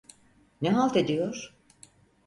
Ne halt ediyor?